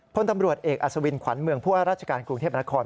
พลตำรวจเอกอัศวินขวัญเมืองผู้ว่าราชการกรุงเทพมนาคม